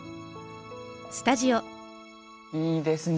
いいですね。